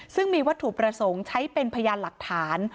ซึ่งมีวัตถุประสงค์ใช้เป็นพยานหลักฐาน